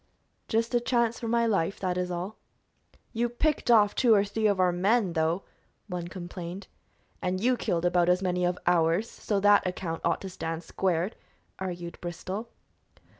"Just a chance for my life, that is all." "You picked off two or three of our men, though," one complained. "And you killed about as many of ours, so that account ought to stand squared," argued Bristol.